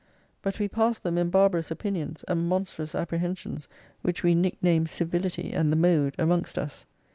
But we pass them in barbarous opinions, and monstrous apprehensions, which we nick name civiHty and the mode, amongst us.